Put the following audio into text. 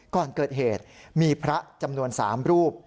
ก่อนเกิดเหตุมีพระจำนวน๓รูป